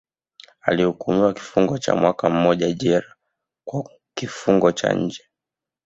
Alihukumiwa kifungo cha mwaka mmoja jela kwa kifungo cha nje